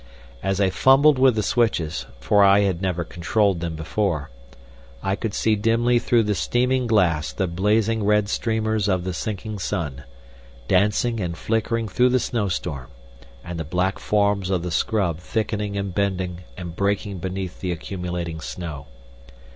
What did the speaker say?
As I fumbled with the switches—for I had never controlled them before—I could see dimly through the steaming glass the blazing red streamers of the sinking sun, dancing and flickering through the snowstorm, and the black forms of the scrub thickening and bending and breaking beneath the accumulating snow.